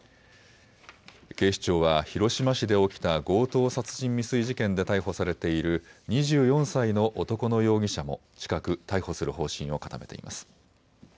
警視庁は広島市で起きた強盗殺人未遂事件で逮捕されている２４歳の男の容疑者も近く逮捕する方針を固めています。